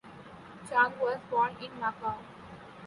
Chung was born in Macau.